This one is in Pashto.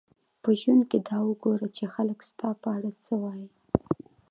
په ژوند کښي دا وګوره، چي خلک ستا په اړه څه وايي.